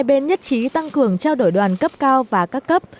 hội đàm hai bên nhất trí tăng cường trao đổi đoàn cấp cao và các cấp